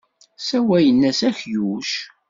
Sawalen-as akluc.